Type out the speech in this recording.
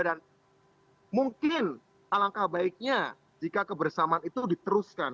mungkin alangkah baiknya jika kebersamaan itu diteruskan